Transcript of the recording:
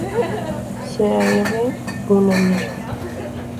Sea "R" un anillo.